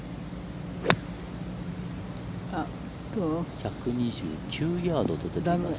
１２９ヤードと出ています。